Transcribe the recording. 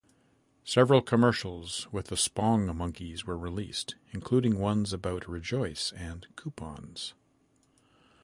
Several commercials with the Spongmonkeys were released, including ones about rejoice and coupons.